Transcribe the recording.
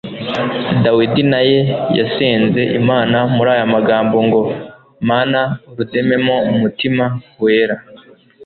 Dawidi naye yasenze Imana muri aya magambo ngo: «Mana urudememo umutima wera,